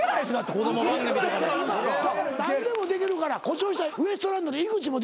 何でもできるから誇張したウエストランドの井口もできるから。